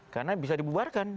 karena bisa dibubarkan